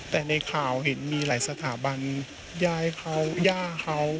แต่ในข่าวเห็นมีหลายสถาบันย้ายเขาย่าเขา